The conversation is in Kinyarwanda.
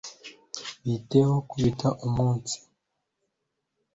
Bite ho kubita umunsi